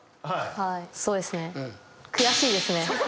はいそうですね。